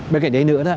bên cạnh đấy nữa